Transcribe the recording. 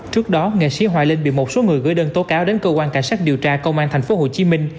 trước đó nghệ sĩ hoài linh bị một số người gửi đơn tố cáo đến cơ quan cảnh sát điều tra công an tp hcm